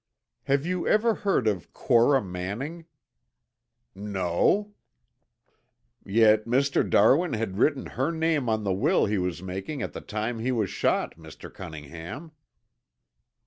"Have you ever heard of Cora Manning?" "No." "Yet Mr. Darwin had written her name on the will he was making at the time he was shot, Mr. Cunningham."